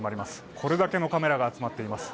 これだけのカメラが集まっています。